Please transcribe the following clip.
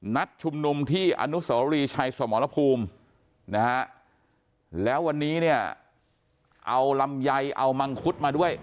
นัดชุมนุมที่อนุสวรีชัยสมรภูมินะฮะแล้ววันนี้เนี่ยเอาลำไยเอามังคุดมาด้วย